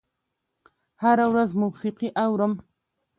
هره ورځ موسیقي اورم